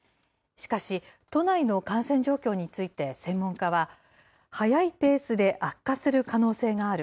しかし、都内の感染状況について、専門家は、速いペースで悪化する可能性がある。